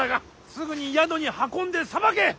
すぐに宿に運んでさばけ！